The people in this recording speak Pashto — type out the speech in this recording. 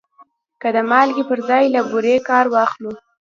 که د مالګې پر ځای له بورې کار واخلو.